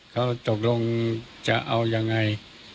เขาตกลงจะเอายังไง